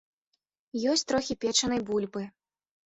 Ёсць трохі печанай бульбы.